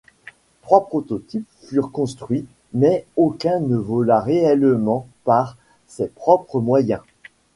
Trois prototypes furent construits, mais aucun ne vola réellement par ses propres moyens.